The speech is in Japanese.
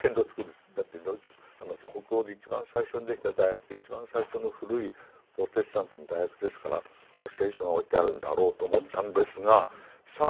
だってドイツ北欧で一番最初にできた大学で一番最初の古いプロテスタントの大学ですから聖書が置いてあるんだろうと思ったんですがさあ